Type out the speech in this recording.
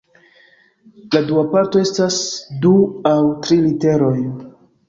La dua parto estas du aŭ tri literoj.